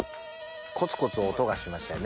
コツコツ音がしましたよね。